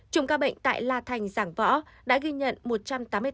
chùm ca bệnh tại la thành giảng võ đã ghi nhận một trăm tám mươi tám ca mắc